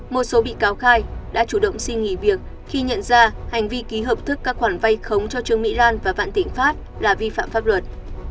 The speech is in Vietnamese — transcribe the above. một số bị cáo khai đã chủ động xin nghỉ việc khi nhận ra hành vi ký hợp thức các khoản vay khống cho trương mỹ lan và vạn thịnh pháp là vi phạm pháp luật